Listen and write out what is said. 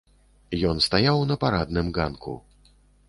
Ён стаяў на парадным ганку.